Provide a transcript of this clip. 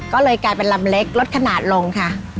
ก็เลยกลายเป็นลำเล็กลดขนาดลงค่ะ